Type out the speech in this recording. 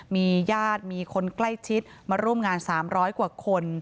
มีญาติมีคนใกล้ชิดมาร่วมงาน๓๐๐กว่าคน